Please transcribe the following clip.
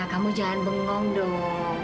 kamu jangan bengong dong